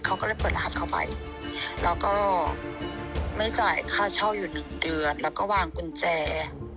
เขาก็เลยเปิดร้านเข้าไปแล้วก็ไม่จ่ายค่าเช่าอยู่หนึ่งเดือนแล้วก็วางกุญแจ